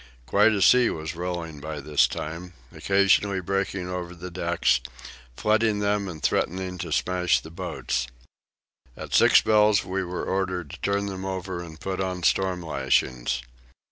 Quite a sea was rolling by this time, occasionally breaking over the decks, flooding them and threatening to smash the boats. At six bells we were ordered to turn them over and put on storm lashings.